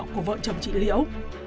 của vợ chồng chị liễu